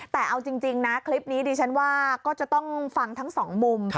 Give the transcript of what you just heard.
แต่เอาจริงนะคลิปนี้ผมว่าก็๑๔๐๐๑ทั้งสองมุม